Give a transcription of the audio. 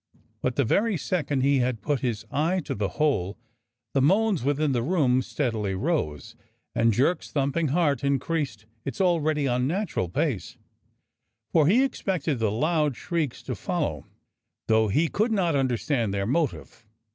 But the very second he had put his eye to the hole the moans within the room steadily rose, and Jerk's thumping heart increased its already unnatural pace, for he expected the loud shrieks to follow, though he could not understand their motive.